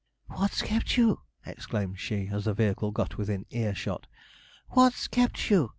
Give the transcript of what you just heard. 'What's kept you?' exclaimed she, as the vehicle got within ear shot. 'What's kept you?'